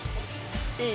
いい？